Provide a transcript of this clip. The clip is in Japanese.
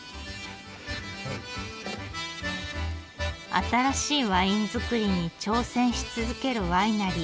新しいワイン造りに挑戦し続けるワイナリー。